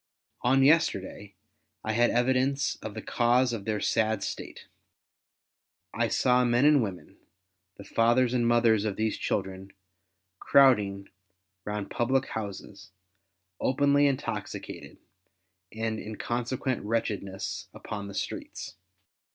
On yesterday I had evidence of the cause of their sad state. I saw men and women, the fathers and mothers of these children, crowding round public houses, openly intoxicated, and in consequent wretchedness upon the streets.